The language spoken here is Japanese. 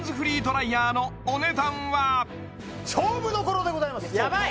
購入勝負どころでございますやばい！